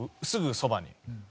すぐそばに。